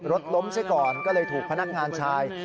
รถล้มซะก่อนก็เลยถูกพนักงานชาย